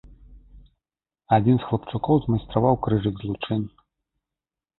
Адзін з хлапчукоў змайстраваў крыжык з лучын.